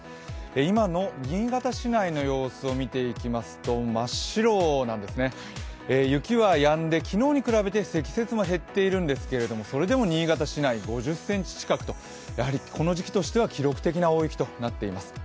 今の新潟市内の様子を見ていきますと真っ白なんですね、雪はやんで、昨日に比べて、積雪も減っているんですけれども、それでも新潟市内５０ｃｍ近くとこの時期としては記録的な大雪となっています。